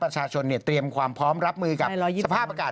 ประชาชนเตรียมความพร้อมรับมือกับสภาพอากาศ